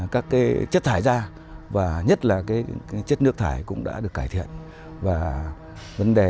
các tổ chức đã đ nails đã na phong đội đóng nhiều lịch sử